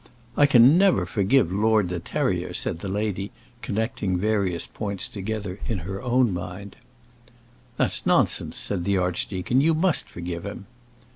"I never can forgive Lord De Terrier," said the lady, connecting various points together in her own mind. "That's nonsense," said the archdeacon. "You must forgive him."